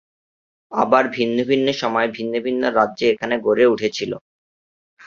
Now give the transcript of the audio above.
আবার ভিন্ন ভিন্ন সময়ে ভিন্ন ভিন্ন রাজ্য এখানে গড়ে উঠেছিল।